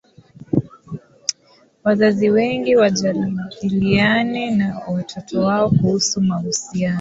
wazazi wengine wajadiliane na watoto wao kuhusu mahusiano